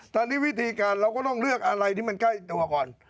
ตอนนี้วิธีการเราก็ต้องเลือกอะไรที่มันใกล้ตัวก่อน